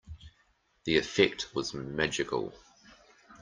The effect was magical.